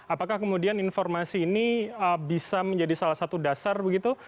apakah kemudian informasi ini bisa menjadi salah satu dasar begitu